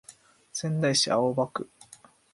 仙台市青葉区